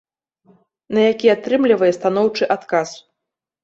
На які атрымлівае станоўчы адказ.